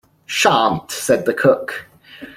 ‘Shan’t,’ said the cook.